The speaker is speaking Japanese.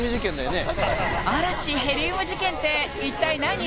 嵐ヘリウム事件って一体何？